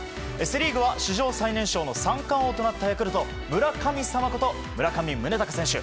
セ・リーグは史上最年少の三冠王となったヤクルト村神様こと村上宗隆選手。